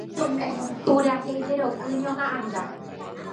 Purahéi jeroky ñohaʼãnga.